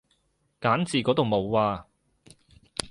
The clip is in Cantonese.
揀字嗰度冇啊